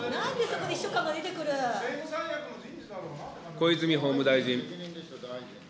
小泉法務大臣。